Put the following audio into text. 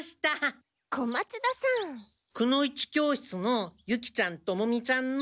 くの一教室のユキちゃんトモミちゃんのも。